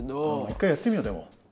「一回やってみようでも」。